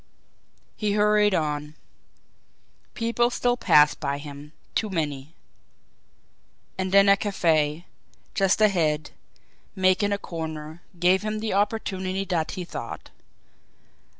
He hurried on. People still passed by him too many. And then a cafe, just ahead, making a corner, gave him the opportunity that he sought.